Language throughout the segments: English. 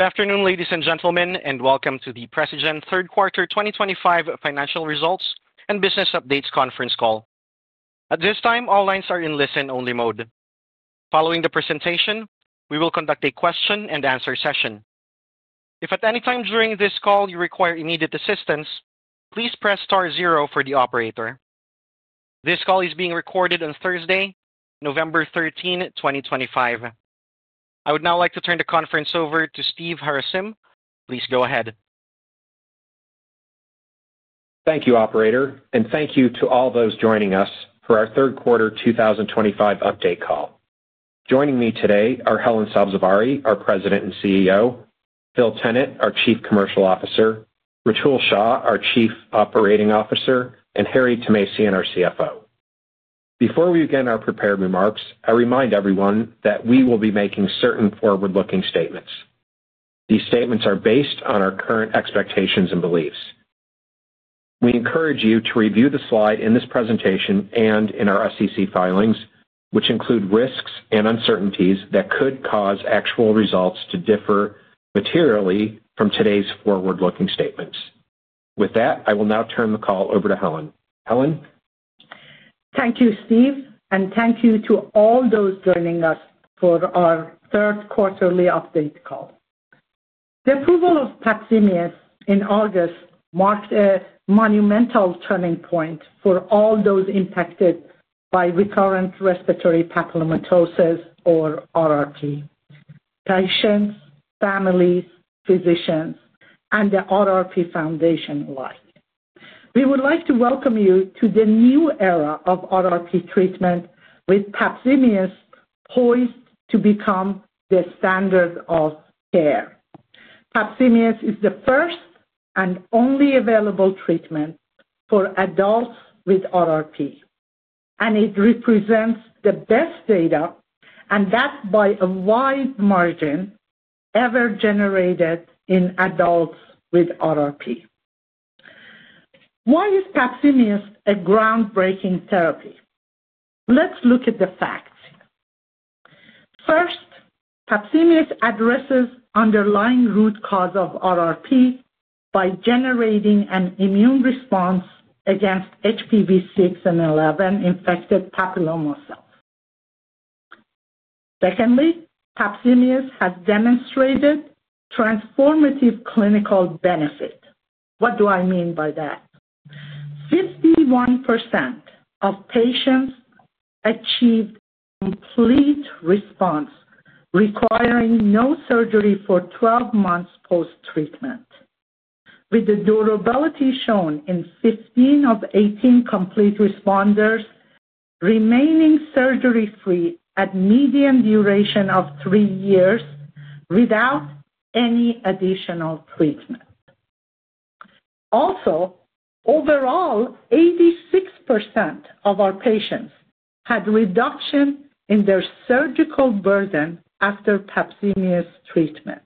Good afternoon, ladies and gentlemen, and welcome to the Precigen Third Quarter 2025 Financial Results and Business Updates Conference Call. At this time, all lines are in listen-only mode. Following the presentation, we will conduct a question-and-answer session. If at any time during this call you require immediate assistance, please press star zero for the operator. This call is being recorded on Thursday, November 13, 2025. I would now like to turn the conference over to Steve Harasym. Please go ahead. Thank you, Operator, and thank you to all those joining us for our third quarter 2025 update call. Joining me today are Helen Sabzevari, our President and CEO; Phil Tennant, our Chief Commercial Officer; Rutul Shah, our Chief Operating Officer; and Harry Tomasian, our CFO. Before we begin our prepared remarks, I remind everyone that we will be making certain forward-looking statements. These statements are based on our current expectations and beliefs. We encourage you to review the slide in this presentation and in our SEC filings, which include risks and uncertainties that could cause actual results to differ materially from today's forward-looking statements. With that, I will now turn the call over to Helen. Helen. Thank you, Steve, and thank you to all those joining us for our Third Quarterly Update Call. The approval of PAPZIMEOS in August marked a monumental turning point for all those impacted by recurrent respiratory papillomatosis, or RRP, patients, families, physicians, and the RRP Foundation alike. We would like to welcome you to the new era of RRP treatment, with PAPZIMEOS poised to become the standard of care. PAPZIMEOS is the first and only available treatment for adults with RRP, and it represents the best data, and that by a wide margin, ever generated in adults with RRP. Why is PAPZIMEOS a groundbreaking therapy? Let's look at the facts. First, PAPZIMEOS addresses the underlying root cause of RRP by generating an immune response against HPV6 and 11-infected papilloma. Secondly, PAPZIMEOS has demonstrated transformative clinical benefit. What do I mean by that? 51% of patients achieved complete response, requiring no surgery for 12 months post-treatment, with the durability shown in 15 of 18 complete responders remaining surgery-free at a median duration of three years without any additional treatment. Also, overall, 86% of our patients had a reduction in their surgical burden after PAPZIMEOS treatment.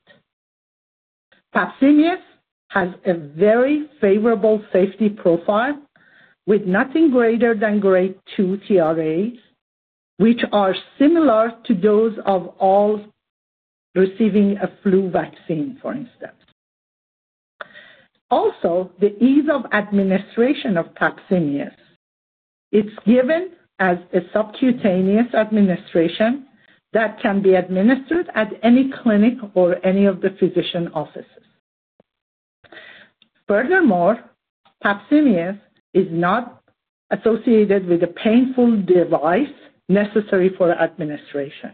PAPZIMEOS has a very favorable safety profile, with nothing greater than grade 2 TRAs, which are similar to those of all receiving a flu vaccine, for instance. Also, the ease of administration of PAPZIMEOS. It's given as a subcutaneous administration that can be administered at any clinic or any of the physician offices. Furthermore, PAPZIMEOS is not associated with a painful device necessary for administration.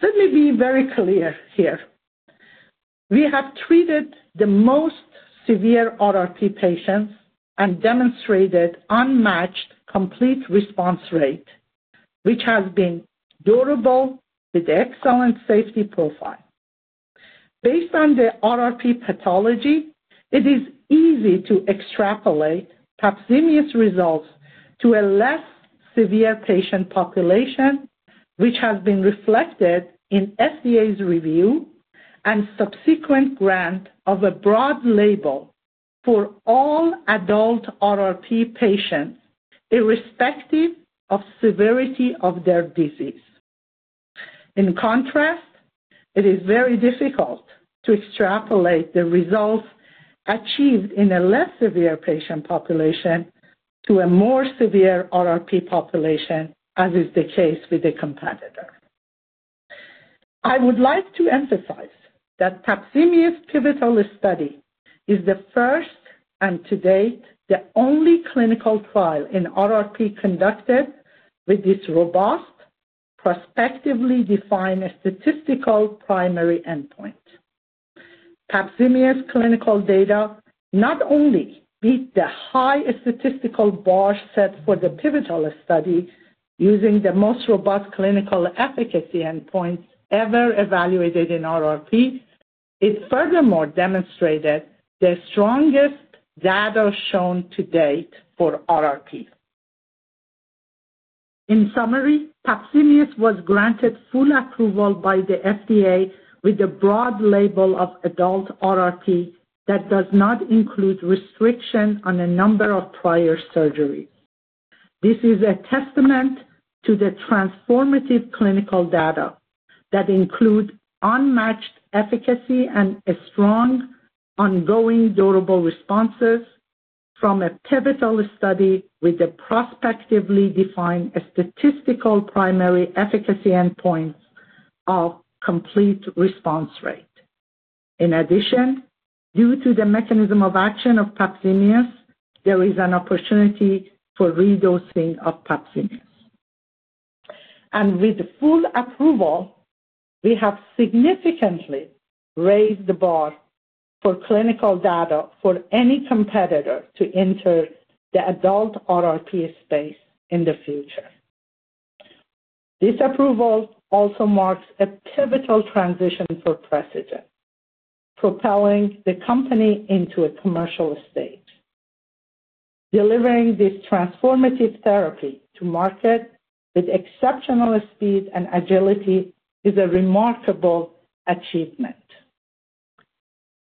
Let me be very clear here. We have treated the most severe RRP patients and demonstrated an unmatched complete response rate, which has been durable with excellent safety profile. Based on the RRP pathology, it is easy to extrapolate PAPZIMEOS results to a less severe patient population, which has been reflected in the FDA's review and subsequent grant of a broad label for all adult RRP patients, irrespective of the severity of their disease. In contrast, it is very difficult to extrapolate the results achieved in a less severe patient population to a more severe RRP population, as is the case with the competitor. I would like to emphasize that the PAPZIMEOS pivotal study is the first and, to date, the only clinical trial in RRP conducted with this robust, prospectively defined statistical primary endpoint. PAPZIMEOS clinical data not only beat the high statistical bar set for the pivotal study using the most robust clinical efficacy endpoints ever evaluated in RRP, it furthermore demonstrated the strongest data shown to date for RRP. In summary, PAPZIMEOS was granted full approval by the FDA with a broad label of adult RRP that does not include restriction on a number of prior surgeries. This is a testament to the transformative clinical data that include unmatched efficacy and strong ongoing durable responses from a pivotal study with a prospectively defined statistical primary efficacy endpoint of complete response rate. In addition, due to the mechanism of action of PAPZIMEOS, there is an opportunity for redosing of PAPZIMEOS. With full approval, we have significantly raised the bar for clinical data for any competitor to enter the adult RRP space in the future. This approval also marks a pivotal transition for Precigen, propelling the company into a commercial stage. Delivering this transformative therapy to market with exceptional speed and agility is a remarkable achievement.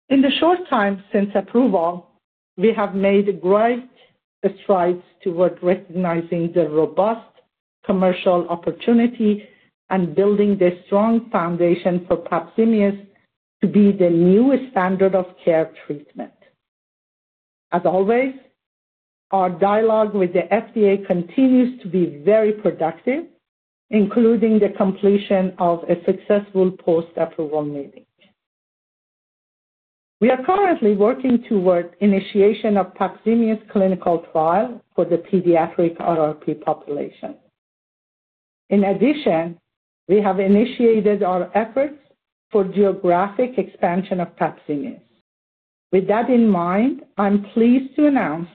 In the short time since approval, we have made great strides toward recognizing the robust commercial opportunity and building the strong foundation for PAPZIMEOS to be the new standard of care treatment. As always, our dialogue with the FDA continues to be very productive, including the completion of a successful post-approval meeting. We are currently working toward the initiation of the PAPZIMEOS clinical trial for the pediatric RRP population. In addition, we have initiated our efforts for geographic expansion of PAPZIMEOS. With that in mind, I'm pleased to announce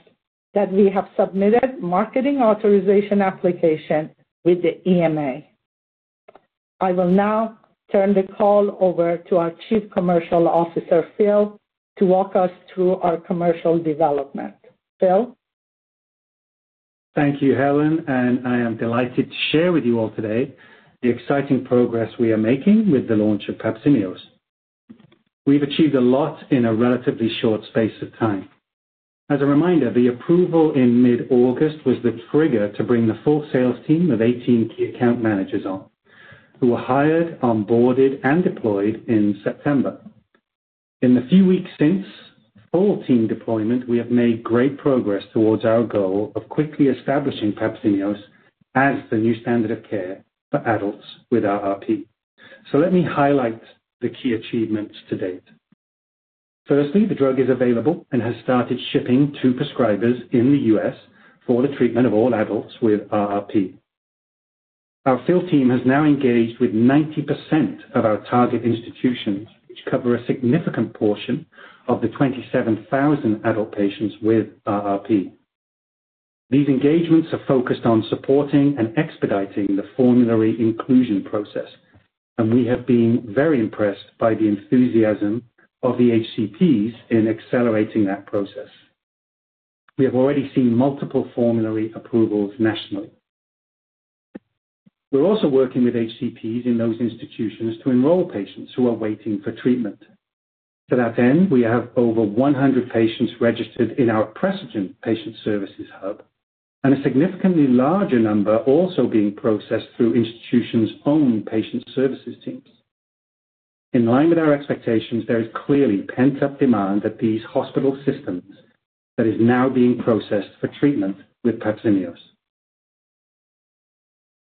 that we have submitted a marketing authorization application with the EMA. I will now turn the call over to our Chief Commercial Officer, Phil, to walk us through our commercial development. Phil. Thank you, Helen, and I am delighted to share with you all today the exciting progress we are making with the launch of PAPZIMEOS. We've achieved a lot in a relatively short space of time. As a reminder, the approval in mid-August was the trigger to bring the full sales team of 18 key account managers on, who were hired, onboarded, and deployed in September. In the few weeks since full team deployment, we have made great progress towards our goal of quickly establishing PAPZIMEOS as the new standard of care for adults with RRP. Let me highlight the key achievements to date. Firstly, the drug is available and has started shipping to prescribers in the US for the treatment of all adults with RRP. Our field team has now engaged with 90% of our target institutions, which cover a significant portion of the 27,000 adult patients with RRP. These engagements are focused on supporting and expediting the formulary inclusion process, and we have been very impressed by the enthusiasm of the HCPs in accelerating that process. We have already seen multiple formulary approvals nationally. We're also working with HCPs in those institutions to enroll patients who are waiting for treatment. To that end, we have over 100 patients registered in our Precigen Patient Services Hub, and a significantly larger number are also being processed through institutions' own patient services teams. In line with our expectations, there is clearly pent-up demand at these hospital systems that is now being processed for treatment with PAPZIMEOS.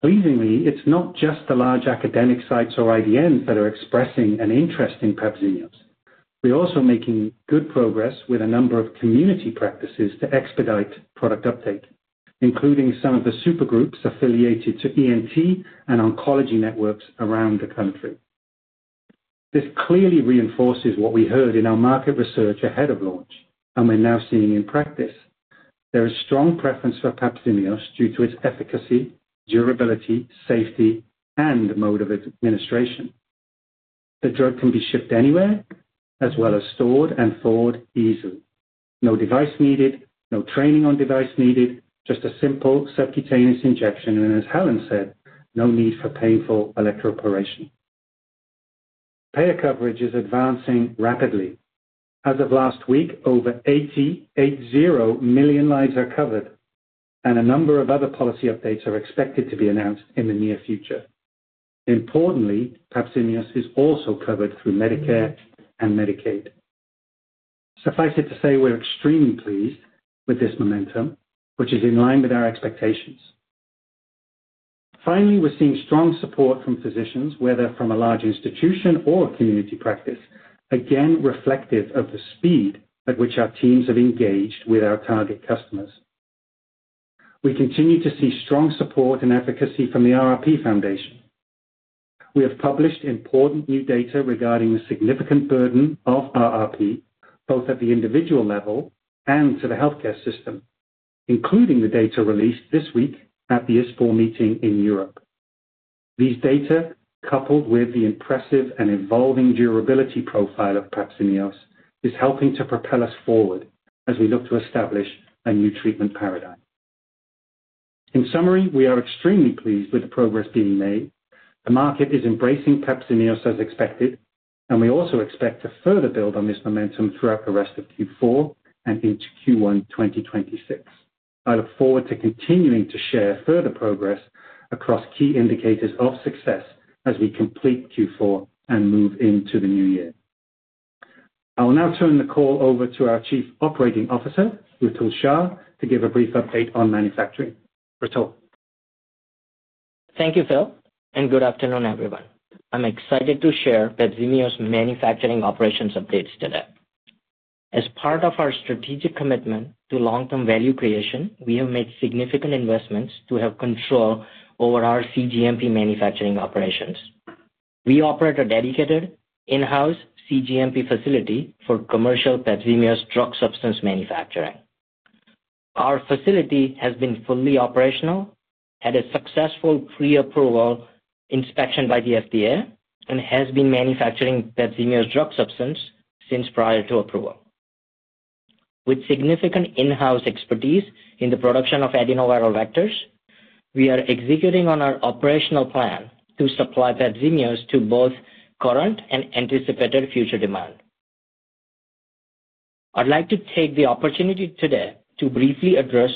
Pleasingly, it's not just the large academic sites or IDNs that are expressing an interest in PAPZIMEOS. We're also making good progress with a number of community practices to expedite product uptake, including some of the supergroups affiliated to ENT and oncology networks around the country. This clearly reinforces what we heard in our market research ahead of launch, and we're now seeing in practice. There is a strong preference for PAPZIMEOS due to its efficacy, durability, safety, and mode of administration. The drug can be shipped anywhere, as well as stored and thawed easily. No device needed, no training on device needed, just a simple subcutaneous injection, and as Helen said, no need for painful electroporation. Payer coverage is advancing rapidly. As of last week, over 80 million lives are covered, and a number of other policy updates are expected to be announced in the near future. Importantly, PAPZIMEOS is also covered through Medicare and Medicaid. Suffice it to say, we're extremely pleased with this momentum, which is in line with our expectations. Finally, we're seeing strong support from physicians, whether from a large institution or community practice, again reflective of the speed at which our teams have engaged with our target customers. We continue to see strong support and efficacy from the RRP Foundation. We have published important new data regarding the significant burden of RRP, both at the individual level and to the healthcare system, including the data released this week at the ISPHOR meeting in Europe. These data, coupled with the impressive and evolving durability profile of PAPZIMEOS, are helping to propel us forward as we look to establish a new treatment paradigm. In summary, we are extremely pleased with the progress being made. The market is embracing PAPZIMEOS as expected, and we also expect to further build on this momentum throughout the rest of Q4 and into Q1 2026. I look forward to continuing to share further progress across key indicators of success as we complete Q4 and move into the new year. I will now turn the call over to our Chief Operating Officer, Rutul Shah, to give a brief update on manufacturing. Rutul. Thank you, Phil, and good afternoon, everyone. I'm excited to share PAPZIMEOS' manufacturing operations updates today. As part of our strategic commitment to long-term value creation, we have made significant investments to have control over our CGMP manufacturing operations. We operate a dedicated in-house CGMP facility for commercial PAPZIMEOS drug substance manufacturing. Our facility has been fully operational, had a successful pre-approval inspection by the FDA, and has been manufacturing PAPZIMEOS drug substance since prior to approval. With significant in-house expertise in the production of adenoviral vectors, we are executing on our operational plan to supply PAPZIMEOS to both current and anticipated future demand. I'd like to take the opportunity today to briefly address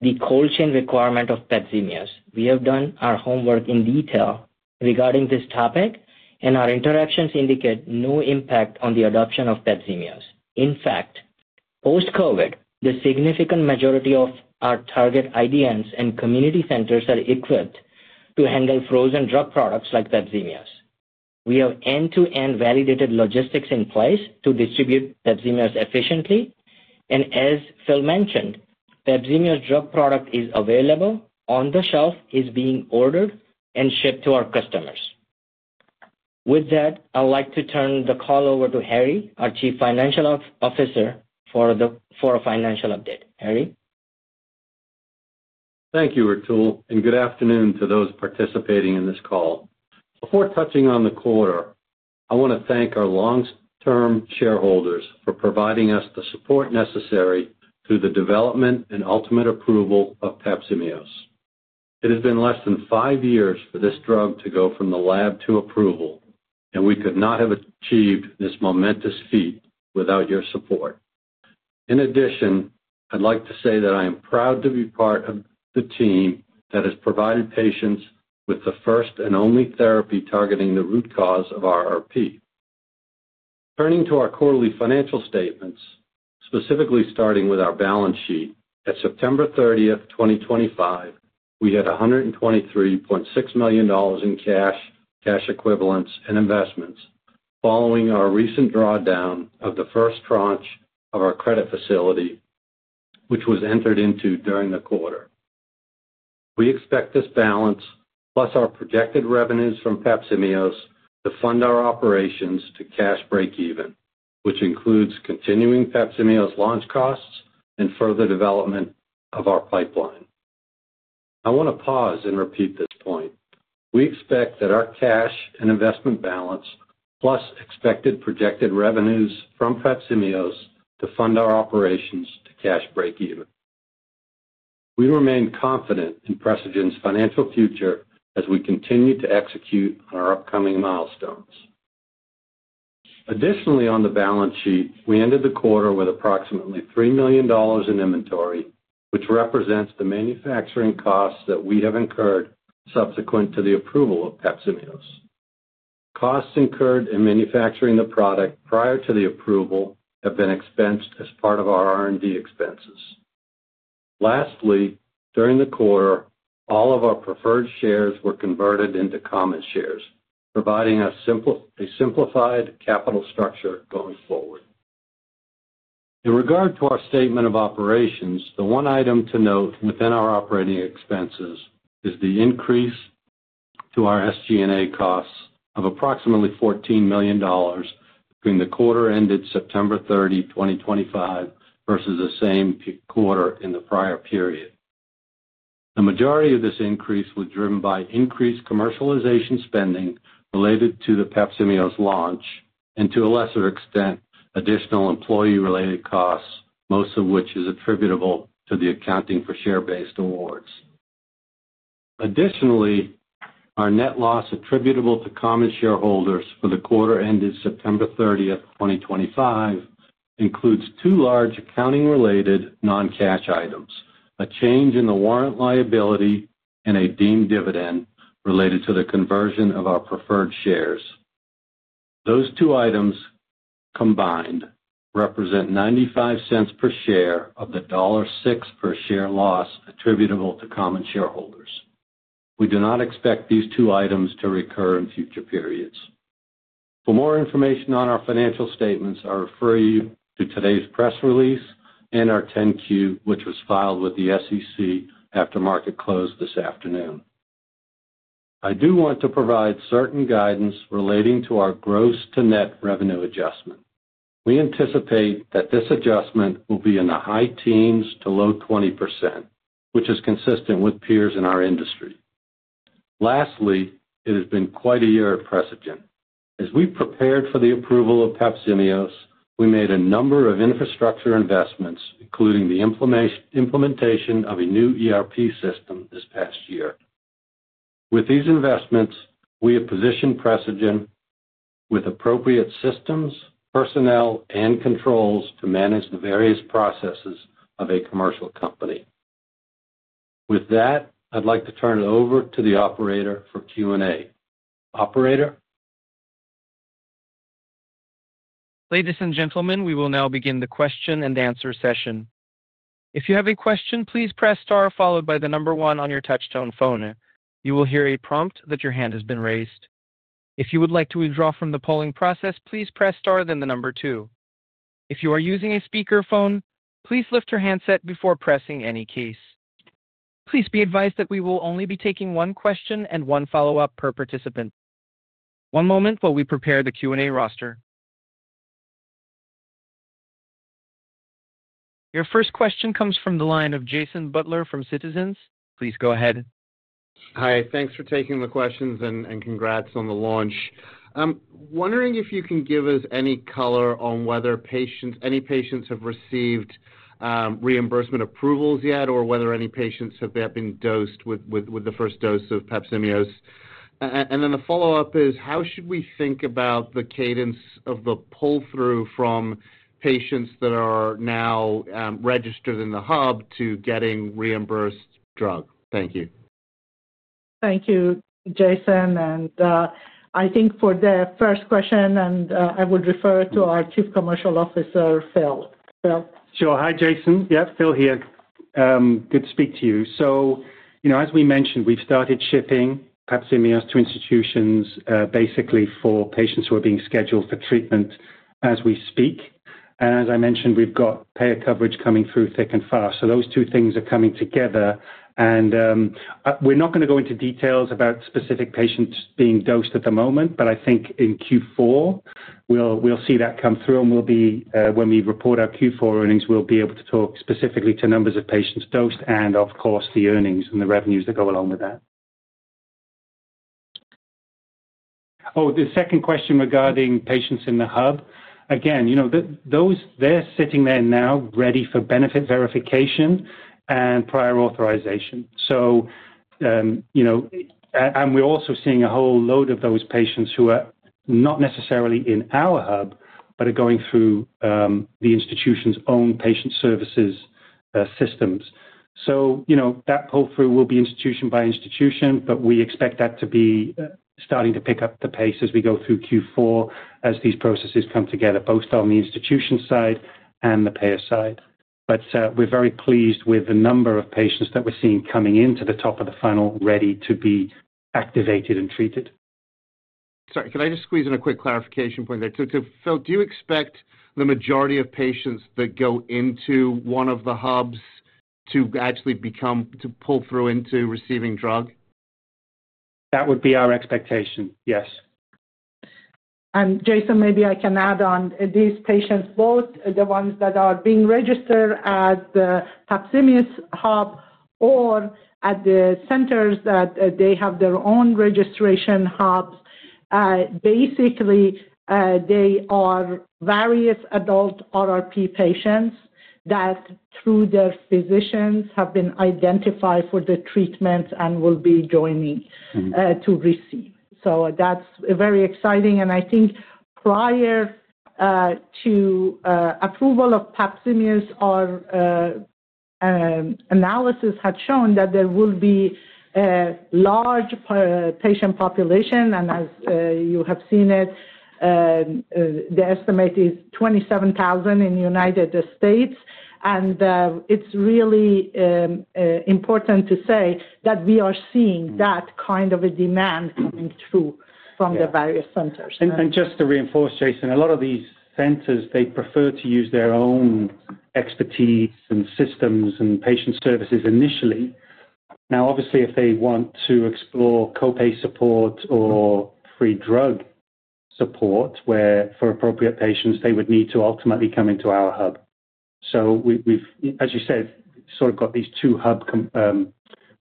the cold chain requirement of PAPZIMEOS. We have done our homework in detail regarding this topic, and our interactions indicate no impact on the adoption of PAPZIMEOS. In fact, post-COVID, the significant majority of our target IDNs and community centers are equipped to handle frozen drug products like PAPZIMEOS. We have end-to-end validated logistics in place to distribute PAPZIMEOS efficiently, and as Phil mentioned, PAPZIMEOS drug product is available on the shelf, is being ordered, and shipped to our customers. With that, I'd like to turn the call over to Harry, our Chief Financial Officer, for a financial update. Harry. Thank you, Rutul, and good afternoon to those participating in this call. Before touching on the quarter, I want to thank our long-term shareholders for providing us the support necessary to the development and ultimate approval of PAPZIMEOS. It has been less than five years for this drug to go from the lab to approval, and we could not have achieved this momentous feat without your support. In addition, I'd like to say that I am proud to be part of the team that has provided patients with the first and only therapy targeting the root cause of RRP. Turning to our quarterly financial statements, specifically starting with our balance sheet, at September 30, 2025, we had $123.6 million in cash, cash equivalents, and investments, following our recent drawdown of the first tranche of our credit facility, which was entered into during the quarter. We expect this balance, plus our projected revenues from PAPZIMEOS, to fund our operations to cash breakeven, which includes continuing PAPZIMEOS' launch costs and further development of our pipeline. I want to pause and repeat this point. We expect that our cash and investment balance, plus expected projected revenues from PAPZIMEOS, to fund our operations to cash breakeven. We remain confident in Precigen's financial future as we continue to execute on our upcoming milestones. Additionally, on the balance sheet, we ended the quarter with approximately $3 million in inventory, which represents the manufacturing costs that we have incurred subsequent to the approval of PAPZIMEOS. Costs incurred in manufacturing the product prior to the approval have been expensed as part of our R&D expenses. Lastly, during the quarter, all of our preferred shares were converted into common shares, providing us a simplified capital structure going forward. In regard to our statement of operations, the one item to note within our operating expenses is the increase to our SG&A costs of approximately $14 million between the quarter ended September 30, 2025, versus the same quarter in the prior period. The majority of this increase was driven by increased commercialization spending related to the PAPZIMEOS launch and, to a lesser extent, additional employee-related costs, most of which is attributable to the accounting for share-based awards. Additionally, our net loss attributable to common shareholders for the quarter ended September 30, 2025, includes two large accounting-related non-cash items, a change in the warrant liability, and a deemed dividend related to the conversion of our preferred shares. Those two items combined represent $0.95 per share of the $1.06 per share loss attributable to common shareholders. We do not expect these two items to recur in future periods. For more information on our financial statements, I refer you to today's press release and our 10-Q, which was filed with the SEC after market close this afternoon. I do want to provide certain guidance relating to our gross-to-net revenue adjustment. We anticipate that this adjustment will be in the high teens to low 20%, which is consistent with peers in our industry. Lastly, it has been quite a year at Precigen. As we prepared for the approval of PAPZIMEOS, we made a number of infrastructure investments, including the implementation of a new ERP system this past year. With these investments, we have positioned Precigen with appropriate systems, personnel, and controls to manage the various processes of a commercial company. With that, I'd like to turn it over to the operator for Q&A. Operator. Ladies and gentlemen, we will now begin the question and answer session. If you have a question, please press star followed by the number one on your touch-tone phone. You will hear a prompt that your hand has been raised. If you would like to withdraw from the polling process, please press star then the number two. If you are using a speakerphone, please lift your handset before pressing any keys. Please be advised that we will only be taking one question and one follow-up per participant. One moment while we prepare the Q&A roster. Your first question comes from the line of Jason Butler from Citizens. Please go ahead. Hi, thanks for taking the questions and congrats on the launch. I'm wondering if you can give us any color on whether any patients have received reimbursement approvals yet or whether any patients have been dosed with the first dose of PAPZIMEOS. The follow-up is, how should we think about the cadence of the pull-through from patients that are now registered in the hub to getting reimbursed drug? Thank you. Thank you, Jason. I think for the first question, I would refer to our Chief Commercial Officer, Phil. Phil. Sure. Hi, Jason. Yeah, Phil here. Good to speak to you. As we mentioned, we've started shipping PAPZIMEOS to institutions basically for patients who are being scheduled for treatment as we speak. As I mentioned, we've got payer coverage coming through thick and fast. Those two things are coming together. We're not going to go into details about specific patients being dosed at the moment, but I think in Q4, we'll see that come through. When we report our Q4 earnings, we'll be able to talk specifically to numbers of patients dosed and, of course, the earnings and the revenues that go along with that. Oh, the second question regarding patients in the hub. Again, they're sitting there now ready for benefit verification and prior authorization. We're also seeing a whole load of those patients who are not necessarily in our hub, but are going through the institution's own patient services systems. That pull-through will be institution by institution, but we expect that to be starting to pick up the pace as we go through Q4, as these processes come together, both on the institution side and the payer side. We're very pleased with the number of patients that we're seeing coming into the top of the funnel, ready to be activated and treated. Sorry, could I just squeeze in a quick clarification point there? So, Phil, do you expect the majority of patients that go into one of the hubs to actually pull through into receiving drug? That would be our expectation, yes. Jason, maybe I can add on. These patients, both the ones that are being registered at the PAPZIMEOS hub or at the centers that have their own registration hubs, basically, they are various adult RRP patients that, through their physicians, have been identified for the treatment and will be joining to receive. That's very exciting. I think prior to approval of PAPZIMEOS, our analysis had shown that there will be a large patient population. As you have seen, the estimate is 27,000 in the United States. It's really important to say that we are seeing that kind of a demand coming through from the various centers. Just to reinforce, Jason, a lot of these centers, they prefer to use their own expertise and systems and patient services initially. Obviously, if they want to explore copay support or free drug support for appropriate patients, they would need to ultimately come into our hub. As you said, we've sort of got these two hub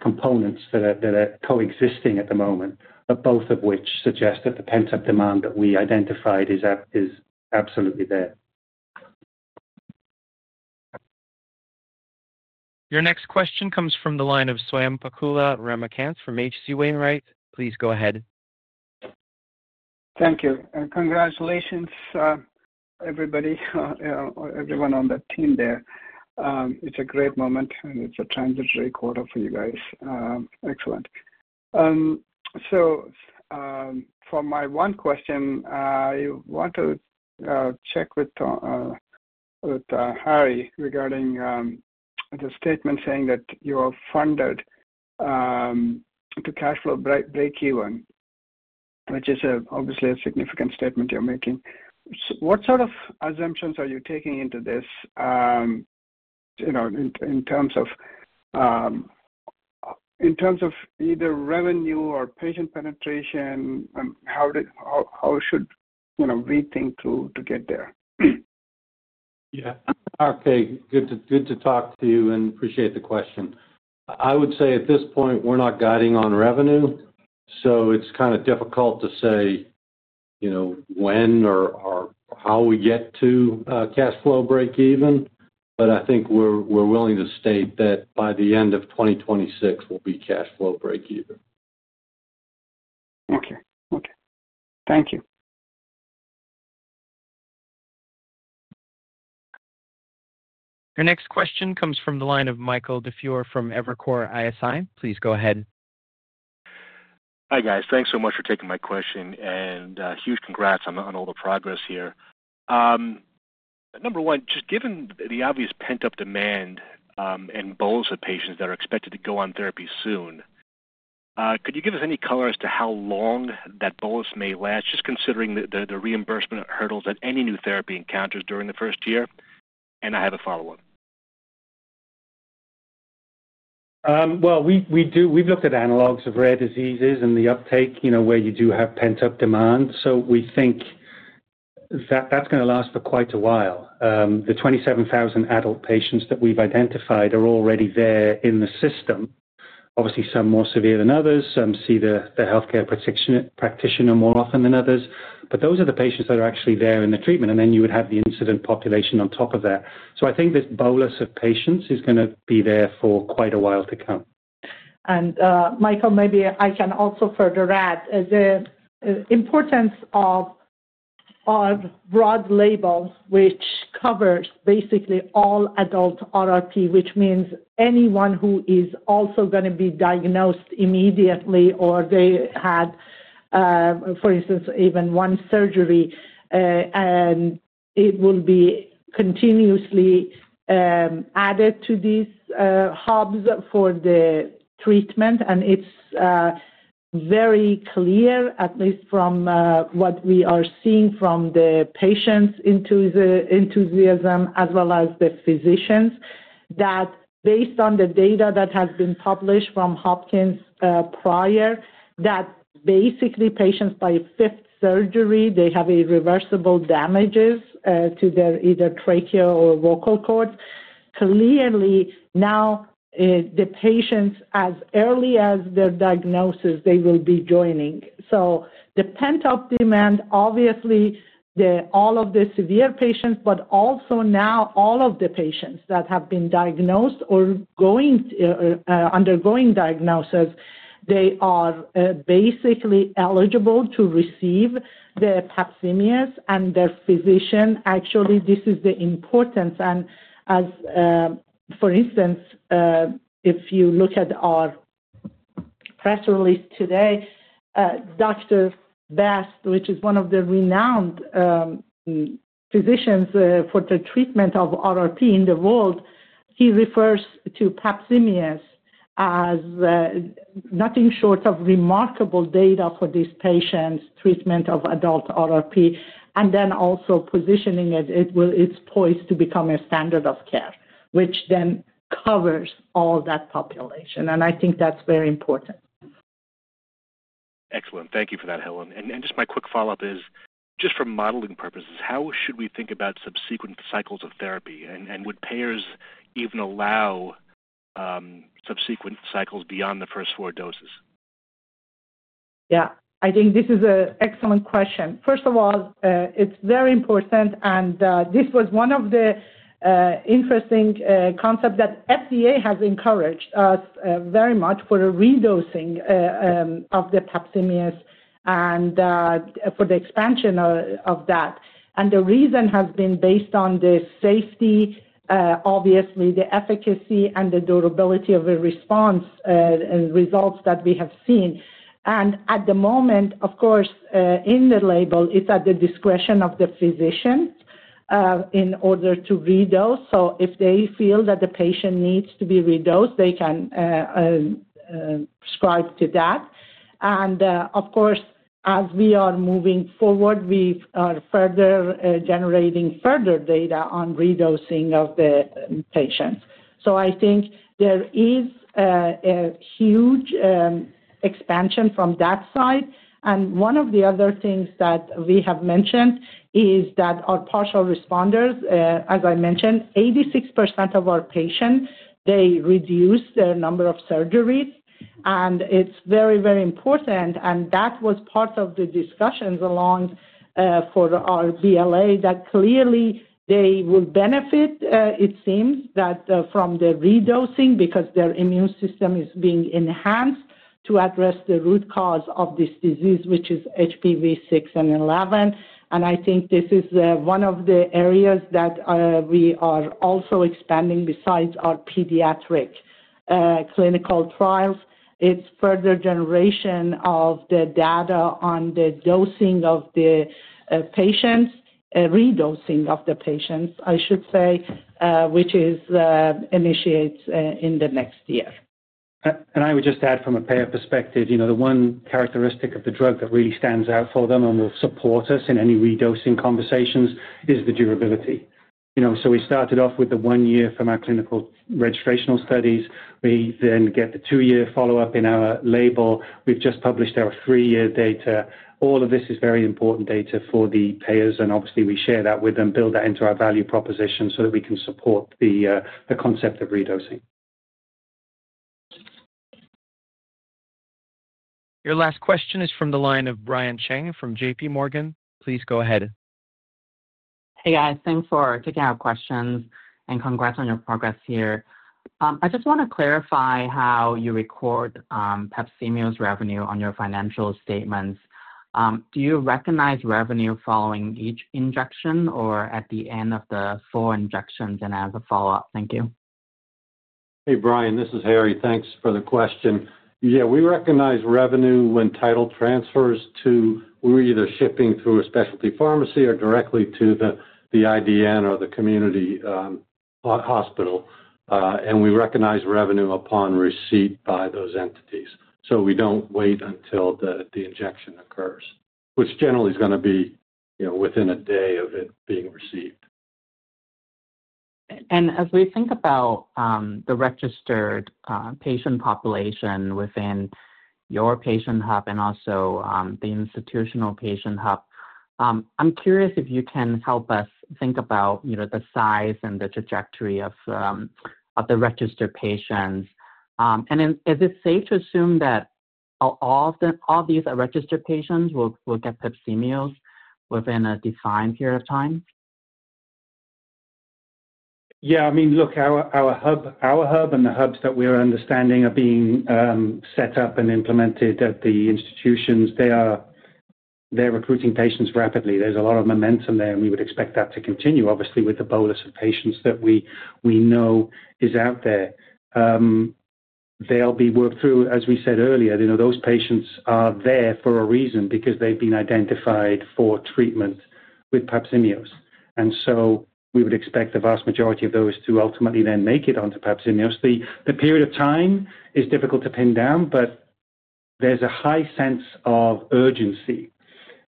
components that are coexisting at the moment, both of which suggest that the pent-up demand that we identified is absolutely there. Your next question comes from the line of Swayampakula Ramakanth from H.C. Wainwright. Please go ahead. Thank you. Congratulations, everybody, everyone on the team there. It is a great moment, and it is a transitory quarter for you guys. Excellent. For my one question, I want to check with Harry regarding the statement saying that you are funded to cash flow breakeven, which is obviously a significant statement you are making. What sort of assumptions are you taking into this in terms of either revenue or patient penetration? How should we think to get there? Yeah. Okay. Good to talk to you and appreciate the question. I would say at this point, we're not guiding on revenue. So it's kind of difficult to say when or how we get to cash flow breakeven, but I think we're willing to state that by the end of 2026, we'll be cash flow breakeven. Okay. Okay. Thank you. Your next question comes from the line of Michael DeFeuer from Evercore ISI. Please go ahead. Hi, guys. Thanks so much for taking my question, and huge congrats on all the progress here. Number one, just given the obvious pent-up demand and bolus of patients that are expected to go on therapy soon, could you give us any color as to how long that bolus may last, just considering the reimbursement hurdles that any new therapy encounters during the first year? I have a follow-up. We've looked at analogs of rare diseases and the uptake where you do have pent-up demand. We think that's going to last for quite a while. The 27,000 adult patients that we've identified are already there in the system. Obviously, some more severe than others. Some see the healthcare practitioner more often than others. Those are the patients that are actually there in the treatment. Then you would have the incident population on top of that. I think this bolus of patients is going to be there for quite a while to come. Michael, maybe I can also further add the importance of our broad label, which covers basically all adult RRP, which means anyone who is also going to be diagnosed immediately or they had, for instance, even one surgery, and it will be continuously added to these hubs for the treatment. It is very clear, at least from what we are seeing from the patients' enthusiasm as well as the physicians, that based on the data that has been published from Hopkins prior, basically patients by fifth surgery have irreversible damages to their either trachea or vocal cords. Clearly, now the patients, as early as their diagnosis, will be joining. The pent-up demand, obviously, all of the severe patients, but also now all of the patients that have been diagnosed or undergoing diagnosis, they are basically eligible to receive the PAPZIMEOS. Their physician, actually, this is the importance. For instance, if you look at our press release today, Dr. Best, which is one of the renowned physicians for the treatment of RRP in the world, he refers to PAPZIMEOS as nothing short of remarkable data for these patients' treatment of adult RRP. He is also positioning it, it's poised to become a standard of care, which then covers all that population. I think that's very important. Excellent. Thank you for that, Helen. Just my quick follow-up is, just for modeling purposes, how should we think about subsequent cycles of therapy? Would payers even allow subsequent cycles beyond the first four doses? Yeah. I think this is an excellent question. First of all, it's very important. This was one of the interesting concepts that FDA has encouraged us very much for redosing of the PAPZIMEOS and for the expansion of that. The reason has been based on the safety, obviously, the efficacy, and the durability of the response and results that we have seen. At the moment, of course, in the label, it's at the discretion of the physician in order to redose. If they feel that the patient needs to be redosed, they can prescribe to that. As we are moving forward, we are generating further data on redosing of the patients. I think there is a huge expansion from that side. One of the other things that we have mentioned is that our partial responders, as I mentioned, 86% of our patients, they reduce their number of surgeries. It is very, very important. That was part of the discussions along for our BLA that clearly they will benefit, it seems, from the redosing because their immune system is being enhanced to address the root cause of this disease, which is HPV six and 11. I think this is one of the areas that we are also expanding besides our pediatric clinical trials. It is further generation of the data on the dosing of the patients, redosing of the patients, I should say, which initiates in the next year. I would just add from a payer perspective, the one characteristic of the drug that really stands out for them and will support us in any redosing conversations is the durability. We started off with the one-year pharmacological registrational studies. We then get the two-year follow-up in our label. We have just published our three-year data. All of this is very important data for the payers. Obviously, we share that with them, build that into our value proposition so that we can support the concept of redosing. Your last question is from the line of Brian Chang from JPMorgan. Please go ahead. Hey, guys. Thanks for kicking out questions. And congrats on your progress here. I just want to clarify how you record PAPZIMEOS revenue on your financial statements. Do you recognize revenue following each injection or at the end of the four injections and as a follow-up? Thank you. Hey, Brian. This is Harry. Thanks for the question. Yeah, we recognize revenue when title transfers to we're either shipping through a specialty pharmacy or directly to the IDN or the community hospital. We recognize revenue upon receipt by those entities. We do not wait until the injection occurs, which generally is going to be within a day of it being received. As we think about the registered patient population within your patient hub and also the institutional patient hub, I'm curious if you can help us think about the size and the trajectory of the registered patients. Is it safe to assume that all these registered patients will get PAPZIMEOS within a defined period of time? Yeah. I mean, look, our hub and the hubs that we're understanding are being set up and implemented at the institutions. They're recruiting patients rapidly. There's a lot of momentum there, and we would expect that to continue, obviously, with the bolus of patients that we know is out there. They'll be worked through, as we said earlier. Those patients are there for a reason because they've been identified for treatment with PAPZIMEOS. And so we would expect the vast majority of those to ultimately then make it onto PAPZIMEOS. The period of time is difficult to pin down, but there's a high sense of urgency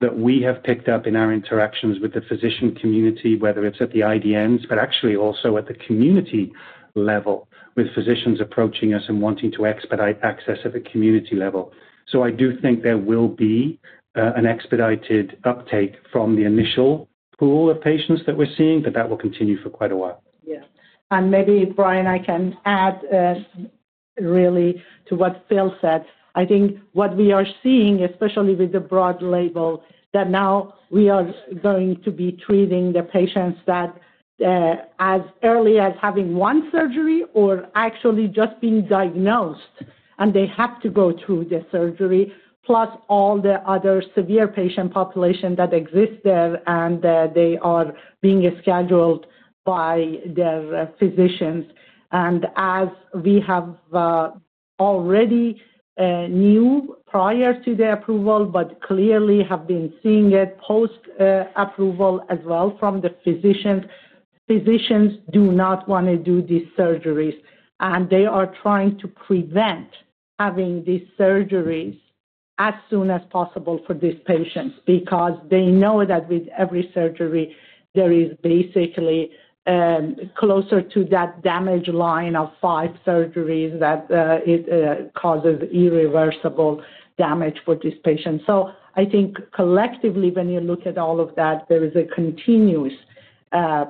that we have picked up in our interactions with the physician community, whether it's at the IDNs, but actually also at the community level with physicians approaching us and wanting to expedite access at the community level. I do think there will be an expedited uptake from the initial pool of patients that we're seeing, but that will continue for quite a while. Yeah. Maybe, Brian, I can add really to what Phil said. I think what we are seeing, especially with the broad label, is that now we are going to be treating the patients that as early as having one surgery or actually just being diagnosed, and they have to go through the surgery, plus all the other severe patient population that exists there, and they are being scheduled by their physicians. As we have already knew prior to the approval, but clearly have been seeing it post-approval as well from the physicians, physicians do not want to do these surgeries. They are trying to prevent having these surgeries as soon as possible for these patients because they know that with every surgery, there is basically closer to that damage line of five surgeries that causes irreversible damage for these patients. I think collectively, when you look at all of that, there is a continuous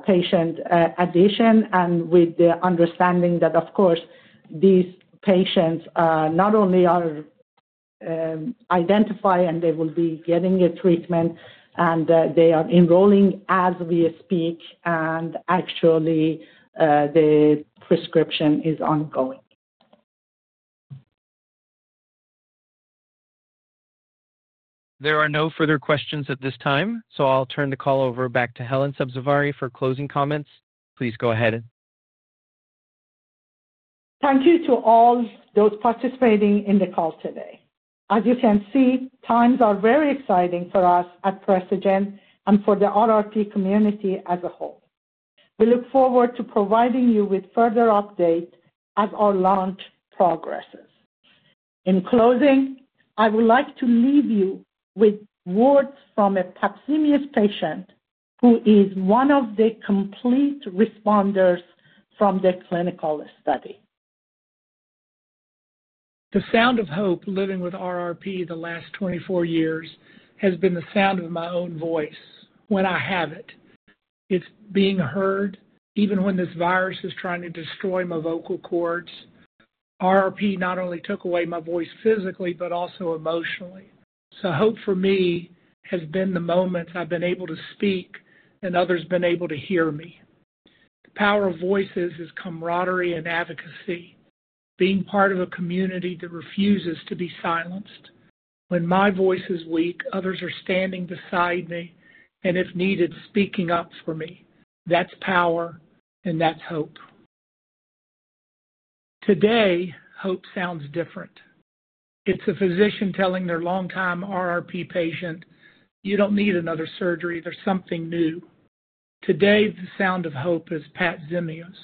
patient addition. With the understanding that, of course, these patients not only are identified and they will be getting a treatment, and they are enrolling as we speak, and actually the prescription is ongoing. There are no further questions at this time. So I'll turn the call over back to Helen Sabzevari for closing comments. Please go ahead. Thank you to all those participating in the call today. As you can see, times are very exciting for us at Precigen and for the RRP community as a whole. We look forward to providing you with further updates as our launch progresses. In closing, I would like to leave you with words from a PAPZIMEOS patient who is one of the complete responders from the clinical study. The sound of hope living with RRP the last 24 years has been the sound of my own voice when I have it. It's being heard even when this virus is trying to destroy my vocal cords. RRP not only took away my voice physically, but also emotionally. So hope for me has been the moments I've been able to speak and others been able to hear me. The power of voices is camaraderie and advocacy, being part of a community that refuses to be silenced. When my voice is weak, others are standing beside me and, if needed, speaking up for me. That's power, and that's hope. Today, hope sounds different. It's a physician telling their longtime RRP patient, "You don't need another surgery. There's something new." Today, the sound of hope is PAPZIMEOS.